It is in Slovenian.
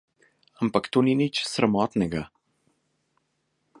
Ampak to ni nič sramotnega.